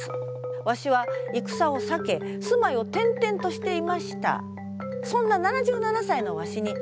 わしは戦を避け住まいを転々としていました。